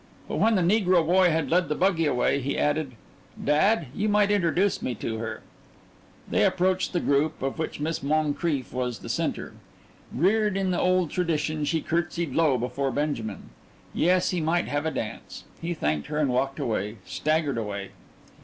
But when the negro boy had led the buggy away, he added: "Dad, you might introduce me to her." They approached a group, of which Miss Moncrief was the centre. Reared in the old tradition, she curtsied low before Benjamin. Yes, he might have a dance. He thanked her and walked away staggered away.